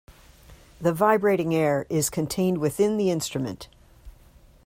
The vibrating air is contained within the instrument.